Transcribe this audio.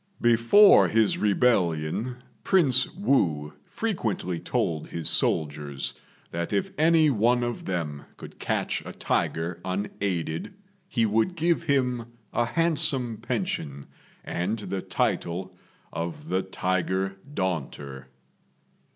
Before his rebellion, Prince Wu frequently told his soldiers that if any one of them could catch a tiger unaided he would give him a handsome pension and the title of the Tiger Daunter.